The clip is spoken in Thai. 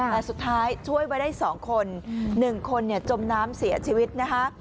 แล้วสุดท้ายช่วยไว้ได้สองคนหนึ่งคนเนี่ยจมน้ำเสียชีวิตนะคะ